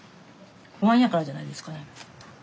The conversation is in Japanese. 不安やからじゃないですかね。